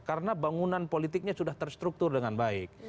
karena bangunan politiknya sudah terstruktur dengan baik